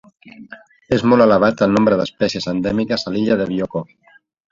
És molt elevat el nombre d'espècies endèmiques a l'illa de Bioko.